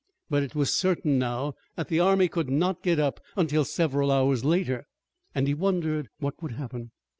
But it was certain now that the army could not get up until several hours later, and he wondered what would happen.